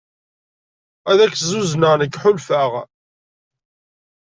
Ad k-zuzneɣ nekk ḥulfaɣ.